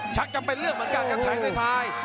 ชักจะเป็นเรื่องเหมือนกันกับแผงในซ้าย